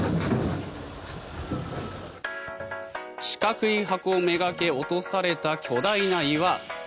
四角い箱めがけ落とされた巨大な岩。